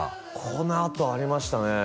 このあとありましたね